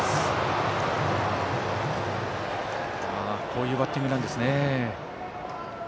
こういうバッティングなんですね。